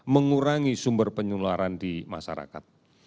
mengurangi sumber penularan di masyarakat